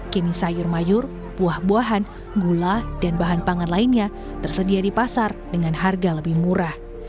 kini sayur mayur buah buahan gula dan bahan pangan lainnya tersedia di pasar dengan harga lebih murah